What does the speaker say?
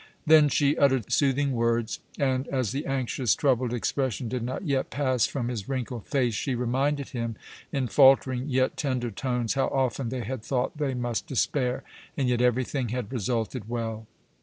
Then she uttered soothing words, and, as the anxious, troubled expression did not yet pass from his wrinkled face, she reminded him in faltering yet tender tones how often they had thought they must despair, and yet everything had resulted well.